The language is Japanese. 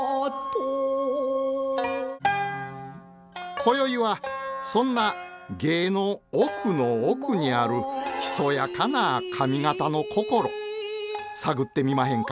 今宵はそんな芸の奥の奥にあるひそやかな上方の心探ってみまへんか？